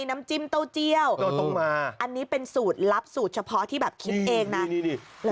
น้ำจิ้มเต้าเจียวต้องมาอันนี้เป็นสูตรลับสูตรเฉพาะที่แบบคิดเองนะนี่ดิ